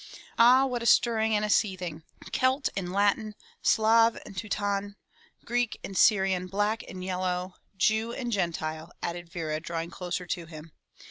Ah, what a stirring and a seeth ing! Celt and Latin, Slav and Teuton, Greek and Syrian — black and yellow —" "Jew and Gentile," added Vera drawing closer to him.